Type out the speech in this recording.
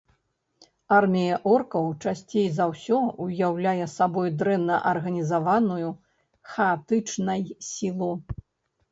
Армія оркаў часцей за ўсё ўяўляе сабой дрэнна арганізаваную, хаатычнай сілу.